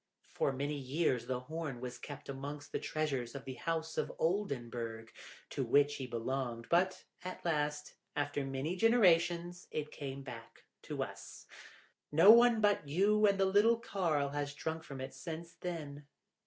For many years the horn was kept amongst the treasures of the House of Oldenburg, to which he belonged, but at last, after many generations, it came back to us. No one but you and the little Karl has drunk from it since then."